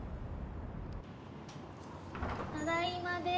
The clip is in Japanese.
ただいまで。